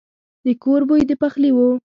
د کور بوی د پخلي وو.